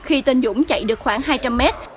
khi tên dũng chạy được khoảng hai trăm linh mét